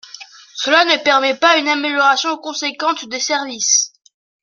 Cela ne permet pas une amélioration conséquente des services.